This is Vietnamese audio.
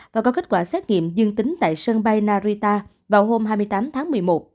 và có kết quả xét nghiệm dương tính tại sân bay narita vào hôm hai mươi tám tháng một mươi một